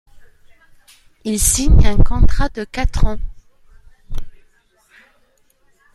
Il signe un contrat de quatre ans.